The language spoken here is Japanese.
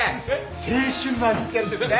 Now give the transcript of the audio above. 青春の味ってやつですね。